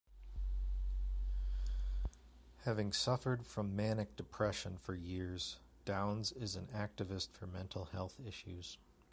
Having suffered from manic-depression for years, Downes is an activist for mental health issues.